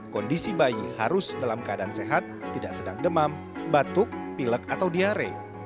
kondisi bayi harus dalam keadaan sehat tidak sedang demam batuk pilek atau diare